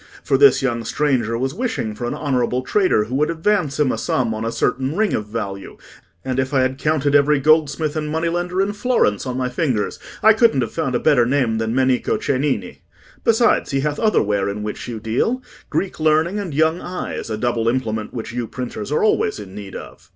For this young stranger was wishing for an honourable trader who would advance him a sum on a certain ring of value, and if I had counted every goldsmith and money lender in Florence on my fingers, I couldn't have found a better name than Menico Cennini. Besides, he hath other ware in which you deal—Greek learning, and young eyes—a double implement which you printers are always in need of."